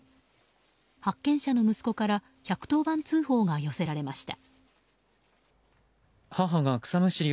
発見者の息子から１１０番通報が寄せられました。